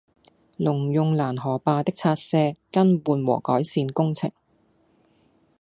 農用攔河壩的拆卸、更換和改善工程